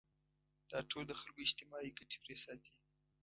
دا ټول د خلکو اجتماعي ګټې پرې ساتي.